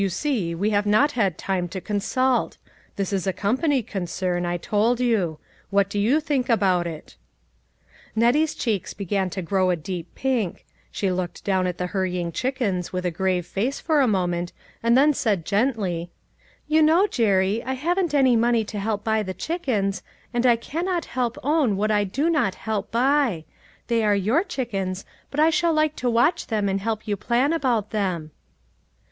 "You see, we have not had time to consult ; this 280 LITTLE FJSHEES : AND THEIR NETS. is a company concern, I told you. What do you think about it?" Nettie's cheeks began to grow a deep pink ; she looked down at the hurrying chickens with a grave face for a moment, then said gently :" You know, Jerry, I haven't any money to help buy the chickens, and I cannot help own what I do not help buy ; they are your chickens, but I shall like to watch them and help you plan about them."